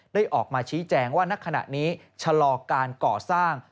ออกมาชี้แจงว่าณขณะนี้ชะลอการก่อสร้าง